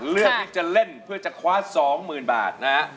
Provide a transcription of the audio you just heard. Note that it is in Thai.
เลือกที่จะเล่นเพื่อจะคว้า๒๐๐๐บาทนะฮะ